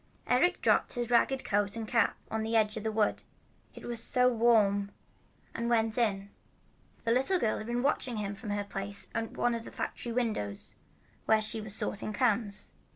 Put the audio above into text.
Eric dropped his ragged coat and cap on the edge of the wood, it was so warm, and went in. A little girl had been watching him from her place at one of the factory windows where she was sorting cans.